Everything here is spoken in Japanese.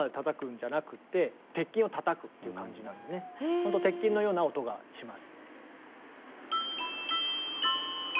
ほんと鉄琴のような音がします。